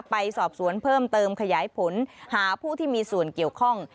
ไปสอบสวนเพิ่มเติมขยายผลหาผู้ที่มีส่วนเกี่ยวข้อง